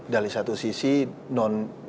dari satu sisi non negara oki